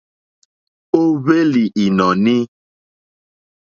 Ó hwélì ìnɔ̀ní.